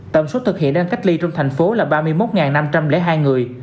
tổng số thực hiện đang cách ly trong thành phố là ba mươi một năm trăm linh hai người